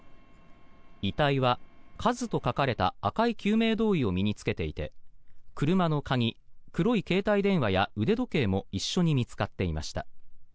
遺体は「ＫＡＺＵ」と書かれた赤い救命胴衣を身に着けていて車の鍵、黒い携帯電話や腕時計も一緒に見つかっていました。